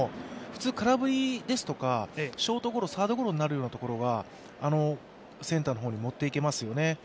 普通、空振りですとかショートゴロサードゴロになるようなところがセンターの方に持っていけますよね。